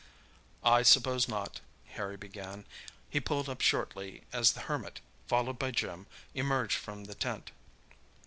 "I suppose not," Harry began. He pulled up shortly as the Hermit, followed by Jim, emerged from the tent.